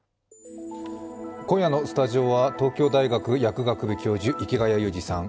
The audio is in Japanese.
今夜のスタジオは東京大学薬学部教授、池谷裕二さん。